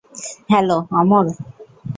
Hello, Amar.